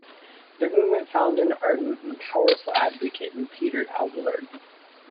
The movement found an ardent and powerful advocate in Peter Abelard.